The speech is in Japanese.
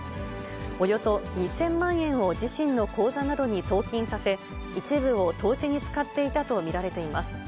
およそ２０００万円を自身の口座などに送金させ、一部を投資に使っていたと見られています。